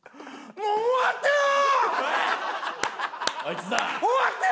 もう終わってよ！